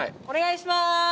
お願いします！